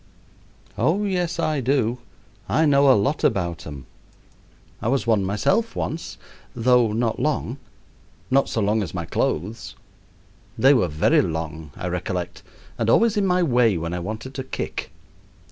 Oh, yes, I do I know a lot about 'em. I was one myself once, though not long not so long as my clothes. They were very long, I recollect, and always in my way when I wanted to kick.